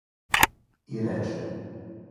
И рече